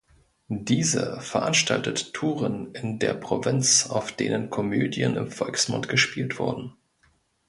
Diese veranstaltete Touren in der Provinz, auf denen Komödien im Volksmund gespielt wurden.